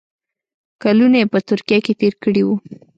کلونه یې په ترکیه کې تېر کړي وو.